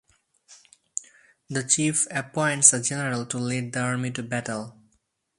The chief appoints a general to lead the army to battle.